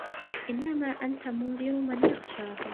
إِنَّما أَنتَ مُنذِرُ مَن يَخشاها